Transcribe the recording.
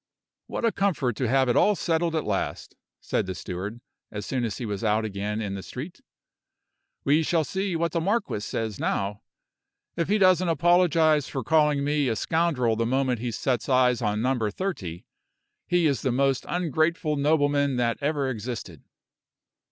"What a comfort to have it all settled at last," said the steward, as soon as he was out again in the street. "We shall see what the marquis says now. If he doesn't apologize for calling me a scoundrel the moment he sets eyes on Number Thirty, he is the most ungrateful nobleman that ever existed."